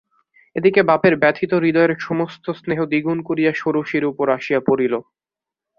এদিকে বাপের ব্যথিত হৃদয়ের সমস্ত স্নেহ দ্বিগুণ করিয়া ষোড়শীর উপর আসিয়া পড়িল।